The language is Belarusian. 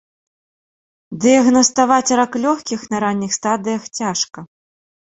Дыягнаставаць рак лёгкіх на ранніх стадыях цяжка.